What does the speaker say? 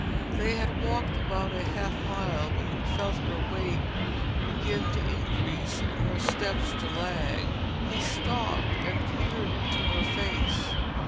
They had walked about half a mile when he felt her weight begin to increase and her steps to lag. He stopped and peered into her face.